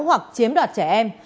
hoặc chiếm đoạt trẻ em